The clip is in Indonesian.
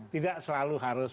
tidak selalu harus